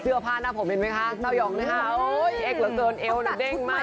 เสื้อผ้าหน้าผมเห็นไหมคะน้อยองด้วยค่ะโอ้ยเอกเหลือเซิร์นเอวหนึ่งเด้งมาก